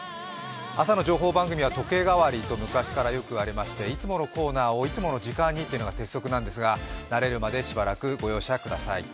朝の情報番組は時計がわりと昔から言われていましていつものコーナーをいつもの時間にというのが鉄則なんですが、慣れるまでしばらくご容赦ください。